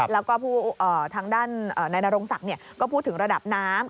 แล้วก็ทางด้านนายนรงศักดิ์ก็พูดถึงระดับน้ำ